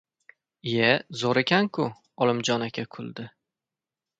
lye zo‘r ekan-ku! - Olimjon aka kuldi.